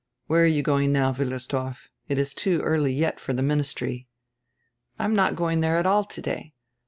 "Where are you going now, Wullersdorf? It is too early yet for the Ministry." "I am not going there at all today.